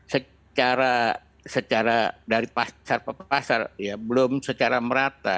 secara secara dari pasar pasar ya belum secara merata